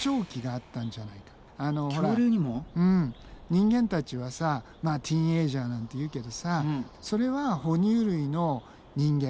人間たちはさまあティーンエージャーなんて言うけどさそれは哺乳類の人間